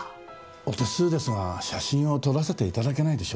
お手数ですが写真を撮らせて頂けないでしょうか？